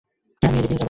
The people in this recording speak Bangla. আমি এদিক দিয়ে যাবো।